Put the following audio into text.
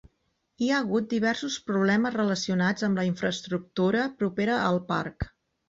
Hi ha hagut diversos problemes relacionats amb la infraestructura propera al parc.